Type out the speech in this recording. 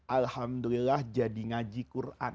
alhamdulillah jadi ngaji quran